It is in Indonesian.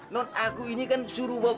non aku ini kan suruh bawa banyak